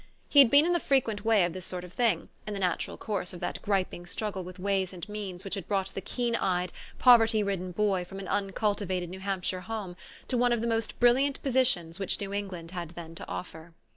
He had been in the frequent way of this sort of thing, in the natural course of that griping struggle with ways and means which had brought the keen eyed, poverty ridden boy from an uncultivated New Hampshire home to one of the most brilliant positions which New England had then to offer.